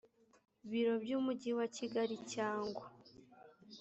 biro by’umujyi wa kigali cyangwa